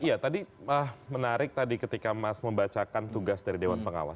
iya tadi menarik tadi ketika mas membacakan tugas dari dewan pengawas